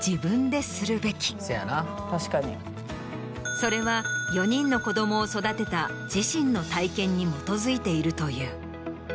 それは４人の子どもを育てた自身の体験に基づいているという。